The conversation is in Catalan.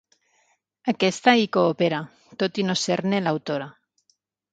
Aquesta hi coopera, tot i no ser-ne l'autora.